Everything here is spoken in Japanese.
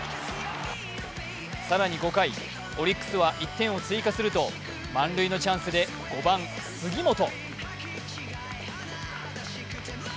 更に５回、オリックスは１点を追加すると満塁のチャンスで５番・杉本。